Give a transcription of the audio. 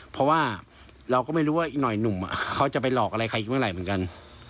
เพราะว่าเราก็ไม่รู้ว่าอีกหน่อยหนุ่มเขาจะไปหลอกอะไรใครอีกเมื่อไหร่เหมือนกัน